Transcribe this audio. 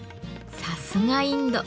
さすがインド！